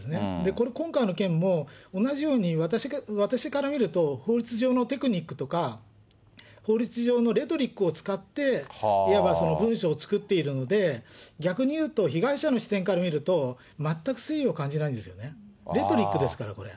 これ、今回の件も同じように私から見ると、法律上のテクニックとか、法律上のレトリックを使って、いわば文章を作っているので、逆に言うと、被害者の視点から見ると、全く誠意を感じないんですよね、レトリックですから、これ。